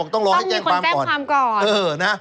ต้องรอให้คนแจ้งความก่อน